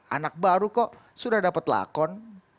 anak baru kok sudah dapat lakon